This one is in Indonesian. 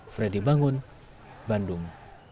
fredy bangun bandung